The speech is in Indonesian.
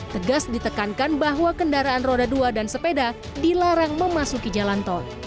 tegas ditekankan bahwa kendaraan roda dua dan sepeda dilarang memasuki jalan tol